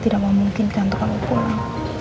tidak memungkinkan untuk kamu pulang